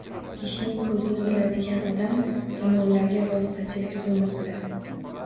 «Ishning ko‘zini biladigan odam» tomonlarga vositachilik qilmoqda.